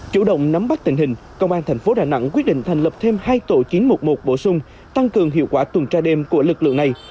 chủ động nắm bắt tình hình công an thành phố đà nẵng quyết định thành lập thêm hai tổ chiến mục một bổ sung tăng cường hiệu quả tuần tra đêm của lực lượng này